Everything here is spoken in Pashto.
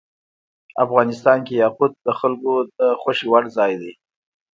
افغانستان کې یاقوت د خلکو د خوښې وړ ځای دی.